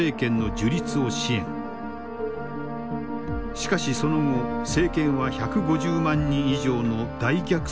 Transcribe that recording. しかしその後政権は１５０万人以上の大虐殺を行った。